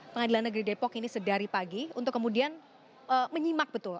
pengadilan negeri depok ini sedari pagi untuk kemudian menyimak betul